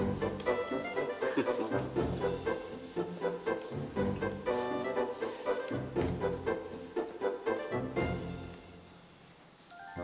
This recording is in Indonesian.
agak indonesia apa